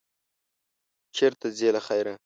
چېرته ځې، له خیره؟